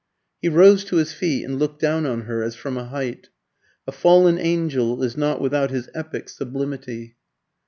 He rose to his feet and looked down on her as from a height. A fallen angel is not without his epic sublimity.